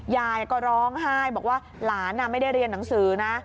ยายก็ร้องไห้บอกว่าหลานไม่ได้เรียนหนังสือนะ